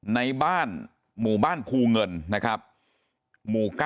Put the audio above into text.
ในบ้านหมู่บ้านภูเงินนะครับหมู่๙